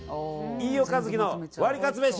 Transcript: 飯尾和樹のワリカツめし！